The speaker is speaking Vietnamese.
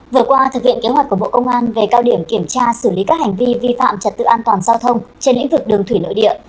vừa qua thực hiện kế hoạch của bộ công an về cao điểm kiểm tra xử lý các hành vi vi phạm trật tự an toàn giao thông trên lĩnh vực đường thủy nội địa